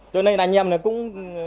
cho nên là nhầm này cũng